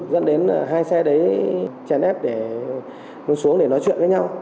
nó đến hai xe đấy chèn ép để nó xuống để nói chuyện với nhau